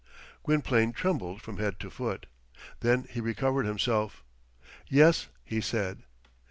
Gwynplaine trembled from head to foot. Then he recovered himself. "Yes," he said.